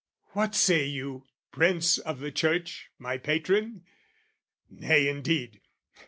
What say you, Prince of the Church, my patron? Nay, indeed!